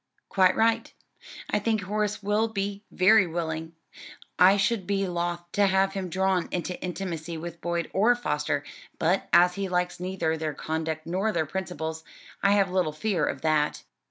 "Quite right. I think Horace will be very willing. I should be loth to have him drawn into intimacy with Boyd or Foster, but as he likes neither their conduct nor their principles, I have little fear of that."